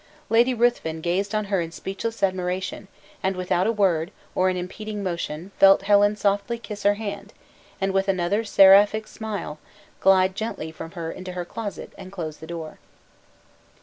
Lady Ruthven gazed on her in speechless admiration; and without a word, or an impeding motion, felt Helen softly kiss her hand, and with another seraphic smile, glide gently from her into her closet, and close the door.